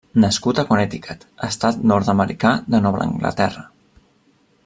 Nascut a Connecticut, estat nord-americà de Nova Anglaterra.